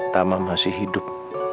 tama masih hidup